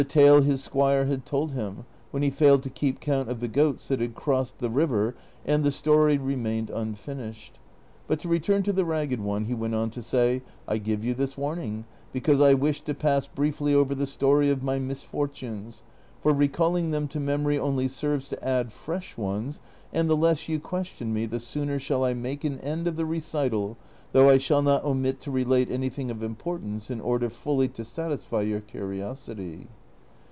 tale his squire had tokl him, when he failed to keep count of the goats that had crossed the river and the story remained un finished ; but to return to the Eagged One, he went on to say, " I give you this Avarning because I wish to pass briefly over the story of my misfortunes, for recalling them to memory only serves to add fresh ones, and the less you question me the sooner shall I make an end of the recital, though I shall not omit to relate anything of importance in order fully to satisfy your curiosity."